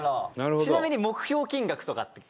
「ちなみに目標金額とかって」